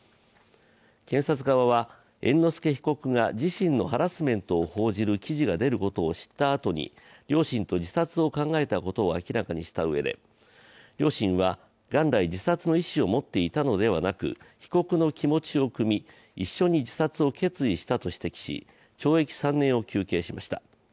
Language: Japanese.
検察側は猿之助被告が自身のハラスメントを報じる記事が出ることを知ったあとに両親と自殺を考えたことを明らかにしたうえで両親は元来、自殺の意思を持っていたのではなく被告の気持ちをくみ一緒に自殺を決意したと指摘し懲役３年を求刑しました。